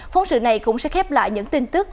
phóng sự này cũng sẽ khép lại những tin tức